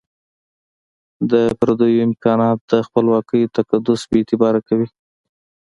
د پردیو امکانات د خپلواکۍ تقدس بي اعتباره کوي.